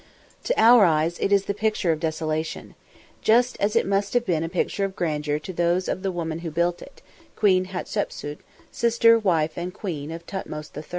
To our eyes it is the picture of desolation. Just as it must have been a picture of grandeur to those of the woman who built it, Queen Hatshepu, sister, wife and queen of Totmes III.